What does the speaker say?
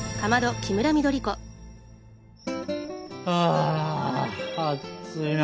ああっついな。